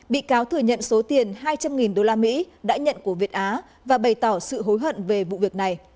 bị cáo thừa nhận số tiền hai trăm linh usd đã nhận của việt á và bày tỏ sự hối hận về vụ việc này